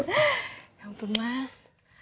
ya ampun mas